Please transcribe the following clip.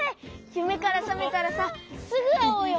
ゆめからさめたらさすぐあおうよ。